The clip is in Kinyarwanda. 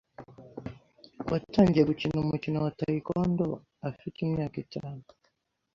watangiye gukina Taekwondo afite imyaka itanu